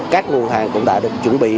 các nguồn hàng cũng đã được chuẩn bị